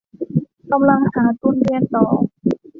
กำลังหาทุนเรียนต่อ